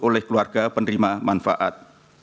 oleh keluarga penerima manfaat